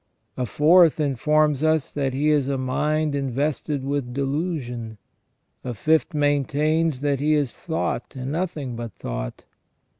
A fourth in forms us that he is a mind invested with delusion. A fifth main tains that he is thought and nothing but thought.